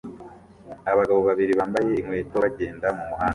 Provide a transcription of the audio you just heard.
Abagabo babiri bambaye inkweto bagenda mumuhanda